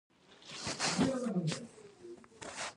سپورت د ټولنې د روغتیا په ښه کولو کې مهم رول لري.